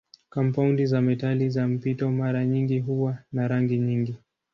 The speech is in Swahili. Kampaundi za metali za mpito mara nyingi huwa na rangi nyingi.